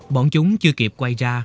bọn chúng chưa kịp quay ra